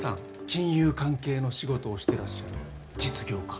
金融関係の仕事をしてらっしゃる実業家。